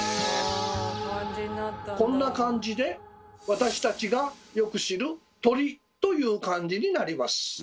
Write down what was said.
こんな感じで私たちがよく知る「鳥」という漢字になります。